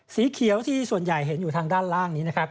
สีเขียวที่ส่วนใหญ่เห็นอยู่ทางด้านล่างนี้นะครับ